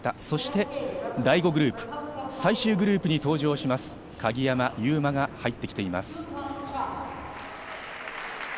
そして第５グループ、最終グループに登場します鍵山優真が入ってきています。